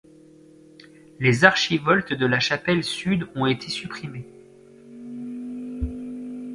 Les archivoltes de la chapelle sud ont été supprimées.